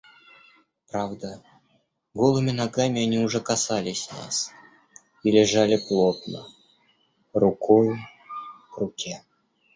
Правда, голыми ногами они уже касались нас и лежали плотно рукою к руке.